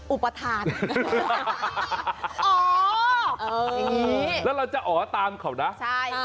อุปทานอ๋อเอออย่างนี้แล้วเราจะอ๋อตามเขานะใช่